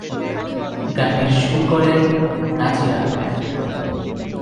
গানটির সুর করেন নাজির আহমেদ।